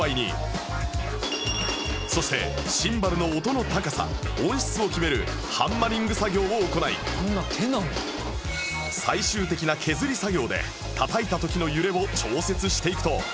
そしてシンバルの音の高さ音質を決めるハンマリング作業を行い最終的な削り作業でたたいた時の揺れを調節していくと